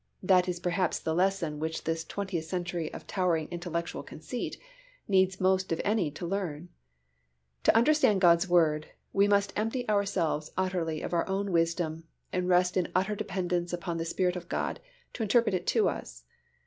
That is perhaps the lesson which this twentieth century of towering intellectual conceit needs most of any to learn. To understand God's Word, we must empty ourselves utterly of our own wisdom and rest in utter dependence upon the Spirit of God to interpret it to us.